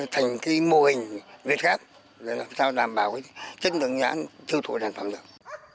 thành cái mô hình việt gáp để làm sao đảm bảo chất lượng nhãn tiêu thụ sản phẩm được